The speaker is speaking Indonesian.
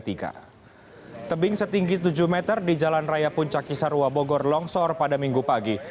tebing setinggi tujuh meter di jalan raya puncak kisarwa bogor longsor pada minggu pagi